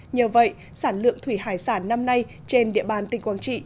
nhờ vậy sản lượng thủy hải sản năm nay trên địa bàn tỉnh quảng trị